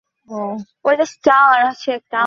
তিনি কেশবচন্দ্রের কাছে ব্রাহ্মধর্মে দীক্ষা গ্রহণ করেন।